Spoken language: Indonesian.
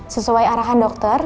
sesuai arahan dokter